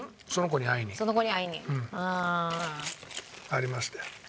ありましたよ。